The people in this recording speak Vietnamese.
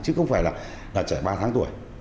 chứ không phải là trẻ ba tháng tuổi